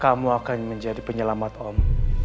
kamu akan menjadi penyelamat om